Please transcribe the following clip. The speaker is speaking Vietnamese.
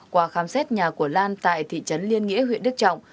qua khám xét nhà của lan tại thị trấn liên nghĩa huyện đức trọng